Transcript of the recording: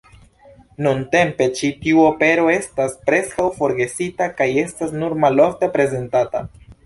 Nuntempe ĉi tiu opero estas preskaŭ forgesita kaj estas nur malofte prezentata.